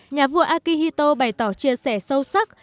nhà vua akihito bày tỏ chia sẻ sâu sắc